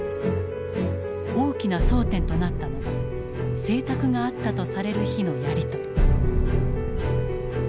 大きな争点となったのが請託があったとされる日のやり取り。